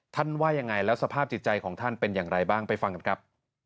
ว่ายังไงแล้วสภาพจิตใจของท่านเป็นอย่างไรบ้างไปฟังกันครับ